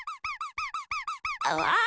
わあ！